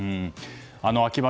秋葉